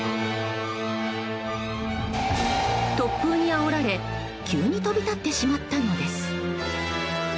突風にあおられ急に飛び立ってしまったのです。